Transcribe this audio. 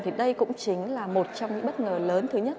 thì đây cũng chính là một trong những bất ngờ lớn thứ nhất